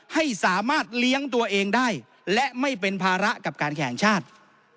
ให้สามารถเลี้ยงตัวเองได้และไม่เป็นภาระกับการแข่งชาติ